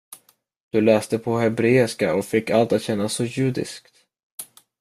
Du läste på hebreiska och fick allt att kännas så judiskt.